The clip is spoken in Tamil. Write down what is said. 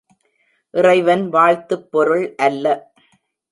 இறைவன் வாழ்த்துப் பொருள் அல்ல.